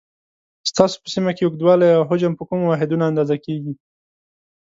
ستاسو په سیمه کې اوږدوالی او حجم په کومو واحدونو اندازه کېږي؟